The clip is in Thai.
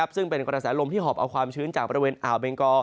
ซึ่งเป็นกระแสลมที่หอบเอาความชื้นจากบริเวณอ่าวเบงกอ